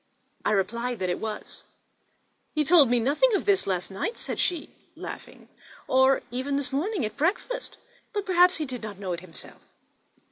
I replied that it was. "He told us nothing of all this last night," said she, laughing, "or even this morning at breakfast; but perhaps he did not know it himself.